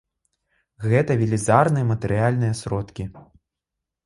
Гэта велізарныя матэрыяльныя сродкі!